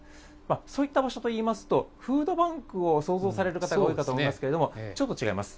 そういった場所といいますと、フードバンクを想像される方が多いかと思いますけれども、ちょっと違います。